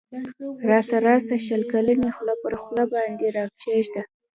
راسه راسه شل کلنی خوله پر خوله باندی را کښېږده